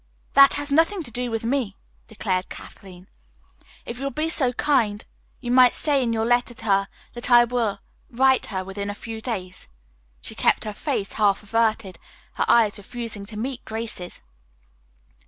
"That has nothing to do with me," declared Kathleen. "If you will be so kind, you might say in your letter to her that I will write her within a few days." She kept her face half averted, her eyes refusing to meet Grace's.